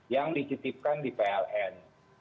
yang digitifkan di pln